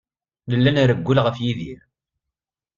Nella nrewwel ɣef Yidir.